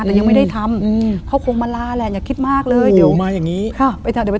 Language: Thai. แต่เอายังไม่ได้ทำเขาคงมาลาอย่าคิดมากเลยเดี๋ยวไปมีบุญให้